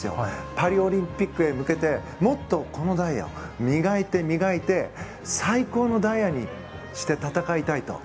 パリオリンピックへ向けてもっとこのダイヤを磨いて、磨いて最高のダイヤにして戦いたいと。